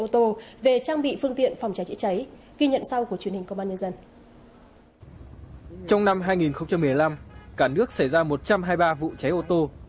trong năm hai nghìn một mươi năm cả nước xảy ra một trăm hai mươi ba vụ cháy ô tô